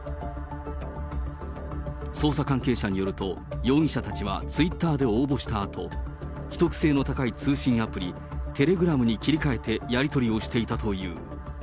捜査関係者によると、容疑者たちはツイッターで応募したあと、秘匿性の高い通信アプリ、テレグラムに切り替えてやり取りをしていたという。